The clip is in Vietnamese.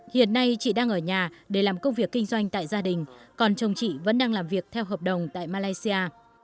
hiện nay chị đang ở nhà để làm công việc kinh doanh tại gia đình còn chồng chị vẫn đang làm việc theo hợp đồng tại malaysia